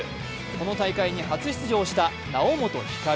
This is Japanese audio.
この大会に初出場した猶本光。